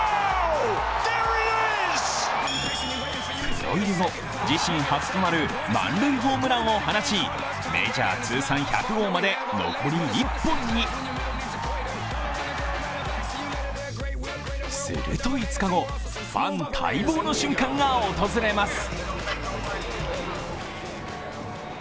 プロ入り後、自身初となる満塁ホームランを放ちメジャー通算１００号まで、残り１本にすると５日後、ファン待望の瞬間が訪れます。